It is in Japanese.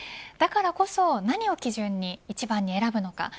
だからこそ、何を基準に一番に選ぶのか。